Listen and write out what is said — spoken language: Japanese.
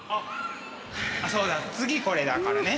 あっそうだ次これだからね。